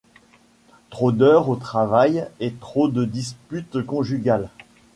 Trop d’heures au travail et trop de disputes conjugales.